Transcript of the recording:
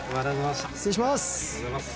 失礼します。